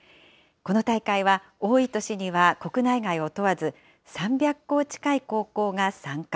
この大会は多い年には国内外を問わず、３００校近い高校が参加。